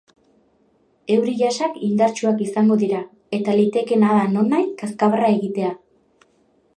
Euri-jasak indartsuak izango dira eta litekeena da nonahi kazkabarra egitea.